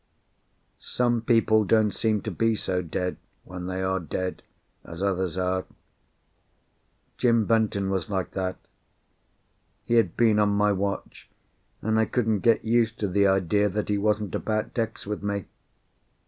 Some people don't seem to be so dead, when they are dead, as others are. Jim Benton was like that. He had been on my watch, and I couldn't get used to the idea that he wasn't about decks with me.